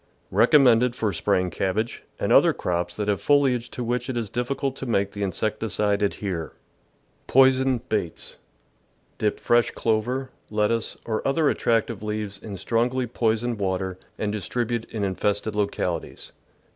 Recom mended for spraying cabbage and other crops that have foliage to which it is difficult to make the insecticide adhere. Poisoned Baits. — Dip fresh clover, lettuce, or other attractive leaves in strongly poisoned water THE VEGETABLE GARDEN and distribute in infested localities.